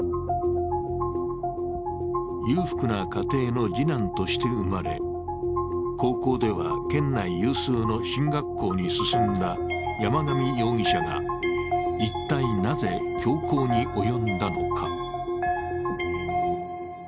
裕福な家庭の次男として生まれ、高校では県内有数の進学校に進んだ山上容疑者が一体なぜ凶行に及んだのか。